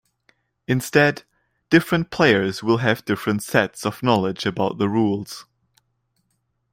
Instead, different players will have different sets of knowledge about the rules.